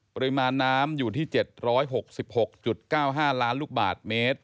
ปริมาณน้ำอยู่ที่๗๖๖๙๕ล้านลูกบาทเมตร